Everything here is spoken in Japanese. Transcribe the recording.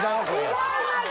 違います！